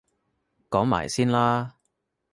講埋先啦